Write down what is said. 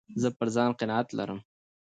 زه پر ځان قناعت لرم.